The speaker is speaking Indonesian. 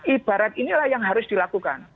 ibarat inilah yang harus dilakukan